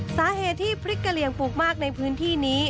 สาเหตุที่พริกกะเหลี่ยงปลูกมากในพื้นที่นี้